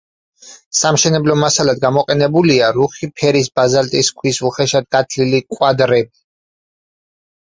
სამშენებლო მასალად გამოყენებულია რუხი ფერის ბაზალტის ქვის უხეშად გათლილი კვადრები.